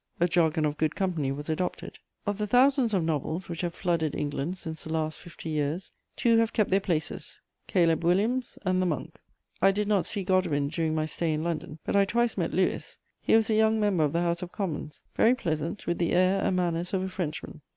A jargon of good company was adopted. Of the thousands of novels which have flooded England since the last fifty years, two have kept their places: Caleb Williams and the Monk. I did not see Godwin during my stay in London; but I twice met Lewis. He was a young member of the House of Commons, very pleasant, with the air and manners of a Frenchman.